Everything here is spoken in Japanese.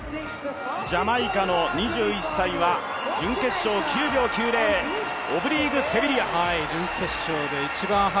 ジャマイカの２１歳は、準決勝９秒９０、オブリーク・セビリア。